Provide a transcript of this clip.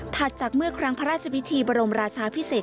จากเมื่อครั้งพระราชพิธีบรมราชาพิเศษ